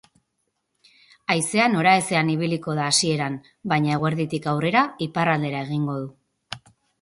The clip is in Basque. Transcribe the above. Haizea nora ezean ibiliko da hasieran, baina eguerditik aurrera iparraldera egingo du.